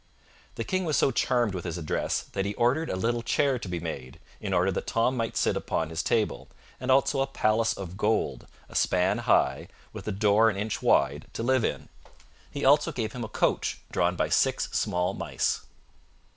The King was so charmed with his address that he ordered a little chair to be made, in order that Tom might sit upon his table, and also a palace of gold, a span high, with a door an inch wide, to live in. He also gave him a coach, drawn by six small mice.